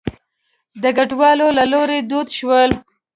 د کډوالو له لوري دود شول.